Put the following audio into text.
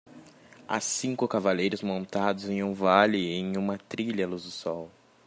Há cinco cavaleiros montados em um vale em uma trilha à luz do sol